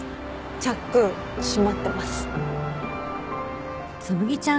チャック閉まってます。